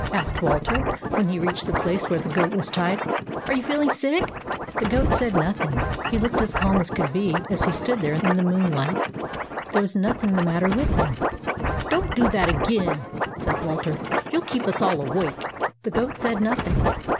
asked Walter, when he reached the place where the goat was tied. " Are you feeling sick ?" The goat said nothing. He looked as calm as could be as he stood there in the moonlight. There was nothing the matter with him. " Don't do that again," said Walter. " You '11 keep us all awake." The goat said nothing.